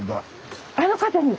あの方に。